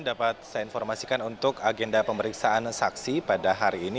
dapat saya informasikan untuk agenda pemeriksaan saksi pada hari ini